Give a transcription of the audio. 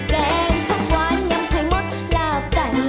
แกงพร้อมวานยำไข่หมดลาบใจ